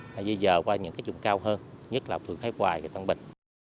và dây dờ qua những dùng cao hơn nhất là phương khái quài toàn bệnh